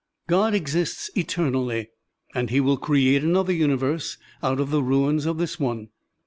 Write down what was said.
God exists eternally, and he will create another tmiverse out of the ruins of this one.